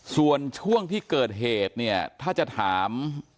ส่วนช่วงที่เกิดเหตุเนี่ยถ้าจะถาม